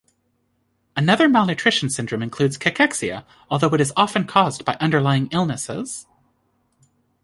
Another malnutrition syndrome includes cachexia, although it is often caused by underlying illnesses.